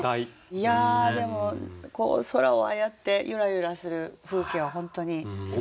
いやでも空をああやってゆらゆらする風景は本当にすばらしいですね。